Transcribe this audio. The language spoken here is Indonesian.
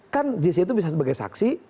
kan jc itu bisa sebagai saksi